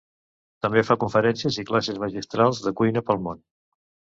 També fa conferències i classes magistrals de cuina pel món.